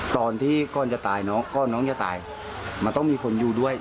ตอนที่ก้อนจะตายน้องก้อนน้องจะตายมันต้องมีคนอยู่ด้วย